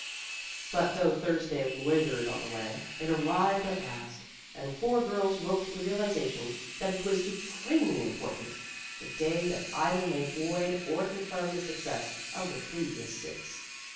But though Thursday loitered on the way, it arrived at last, and four girls woke to the realization that it was supremely important the day that either made void or confirmed the success of the previous six.